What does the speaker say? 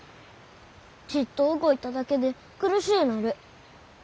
ちいっと動いただけで苦しゅうなる。